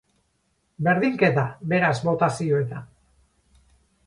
Berdinketa, beraz botazioetan.